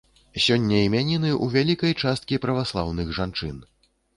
Сёння імяніны ў вялікай часткі праваслаўных жанчын.